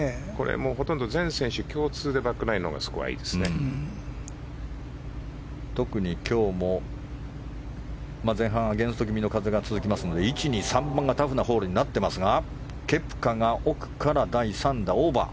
ほとんど全選手共通でバックナインのほうが特に今日も前半、アゲンスト気味の風が続きますので１、２、３番がタフなホールになっていますがケプカが奥から第３打、オーバー。